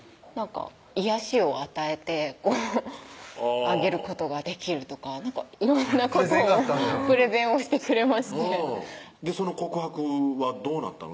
「癒やしを与えてあげることができる」とか色んなことをプレゼンがあったんやプレゼンをしてくれましてその告白はどうなったの？